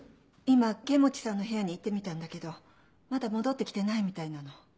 今剣持さんの部屋に行ってみたんだけどまだ戻って来てないみたいなの。